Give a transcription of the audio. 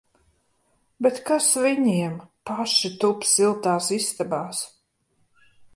Bet kas viņiem! Paši tup siltās istabās!